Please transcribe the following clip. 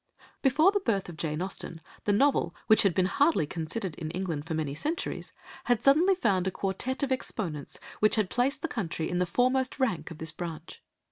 Before the birth of Jane Austen, the novel, which had been hardly considered in England for many centuries, had suddenly found a quartette of exponents which had placed the country in the foremost rank of this branch.